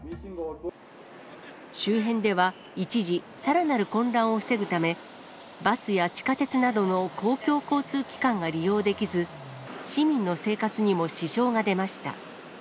周辺では一時、さらなる混乱を防ぐため、バスや地下鉄などの公共交通機関が利用できず、市民の生活にも支障が出ました。